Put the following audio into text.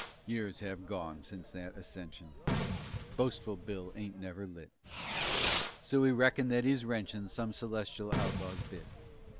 _" Years have gone since that ascension. Boastful Bill ain't never lit, So we reckon that he's wrenchin' Some celestial outlaw's bit.